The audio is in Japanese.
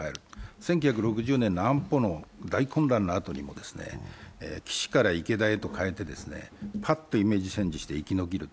１９６０年の安保の大混乱のあとに岸から池田へと変えて、パッとイメージチェンジして生き残る。